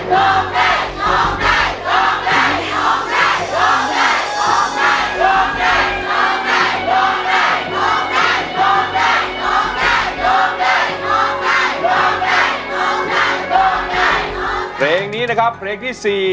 ร้องได้ร้องได้ร้องได้ร้องได้ร้องได้ร้องได้ร้องได้